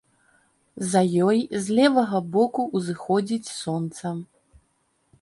За ёй з левага боку ўзыходзіць сонца.